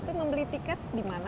tapi membeli tiket dimana